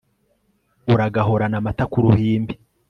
uragahorana amata k'uruhimbi